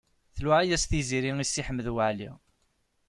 Tluɛa-yas Tiziri i Si Ḥmed Waɛli.